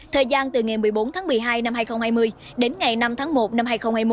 thời gian từ ngày một mươi bốn tháng một mươi hai năm hai nghìn hai mươi đến ngày năm tháng một năm hai nghìn hai mươi một